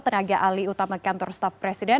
tenaga alih utama kantor staf presiden